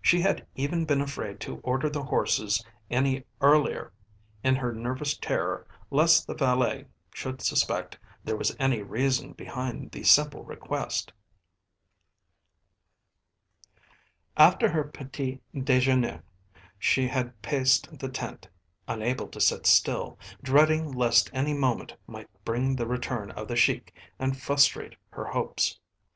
She had even been afraid to order the horses any earlier in her nervous terror lest the valet should suspect there was any reason behind the simple request. After her petit dejeuner she had paced the tent, unable to sit still, dreading lest any moment might bring the return of the Sheik and frustrate her hopes.